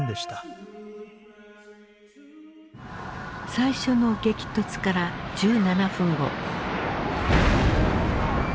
最初の激突から１７分後。